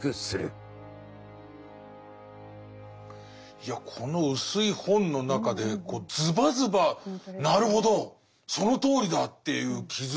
いやこの薄い本の中でズバズバなるほどそのとおりだっていう気付きが多いですね。